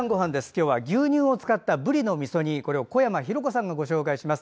今日は、牛乳を使ったぶりのみそ煮これを小山浩子さんがご紹介します。